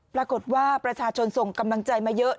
ปรากฏว่าประชาชนส่งกำลังใจมาเยอะ